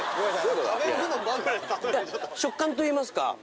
食感といいますか。